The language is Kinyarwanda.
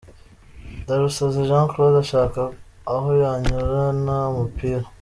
Ndarusanze Jean Claude ashaka aho yanyurana umupira.